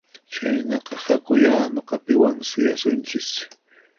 Chaynaqa hakuyá nuqapiwan suyasunchis